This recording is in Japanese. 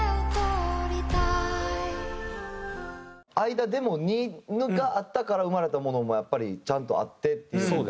間デモ２があったから生まれたものもやっぱりちゃんとあってっていうのが。